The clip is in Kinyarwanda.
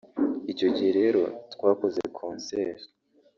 Icyo gihe rero twakoze concert